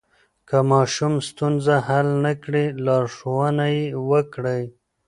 که ماشوم ستونزه حل نه کړي، لارښوونه یې وکړئ.